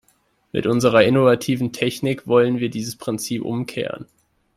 Mit unserer innovativen Technik wollen wir dieses Prinzip umkehren.